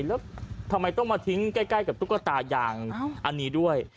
แล้วทำไมต้องมาทิ้งใกล้กับตุ๊กตายางอันนี้ด้วย